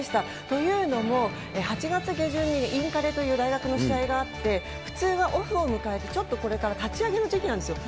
というのも、８月下旬にインカレという大学の試合があって、普通はオフを迎えて、ちょっと、これから立ち上げの時期なんですよ。